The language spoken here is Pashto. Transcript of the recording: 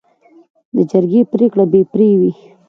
د جرګې پریکړه بې پرې وي.